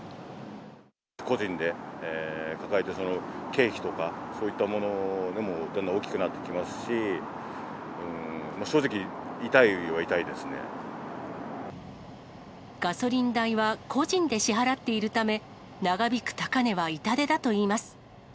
個人で抱えて、経費とか、そういったものも大きくなってきますし、正直、ガソリン代は個人で支払っているため、長引く高値は痛手だといいます。